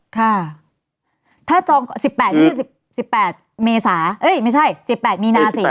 ค่ะถ้าจอง๑๘ไม่ใช่๑๘เมษาเอ้ยไม่ใช่๑๘มีนาสิ